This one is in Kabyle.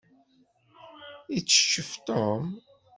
Itteccef Tom.